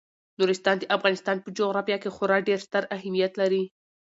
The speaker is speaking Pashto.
نورستان د افغانستان په جغرافیه کې خورا ډیر ستر اهمیت لري.